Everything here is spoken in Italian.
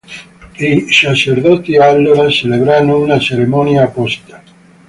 I sacerdoti allora celebravano una cerimonia apposita.